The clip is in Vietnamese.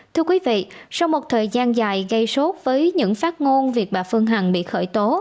thưa quý vị sau một thời gian dài gây sốt với những phát ngôn việc bà phương hằng bị khởi tố